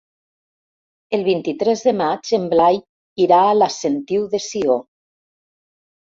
El vint-i-tres de maig en Blai irà a la Sentiu de Sió.